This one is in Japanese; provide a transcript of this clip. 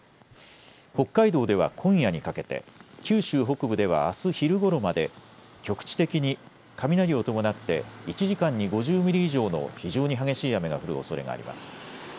北海道では今夜にかけて、九州北部ではあす昼ごろまで局地的に雷を伴って１時間に５０ミリ以上の非常に激しい雨が降るおそれがあります。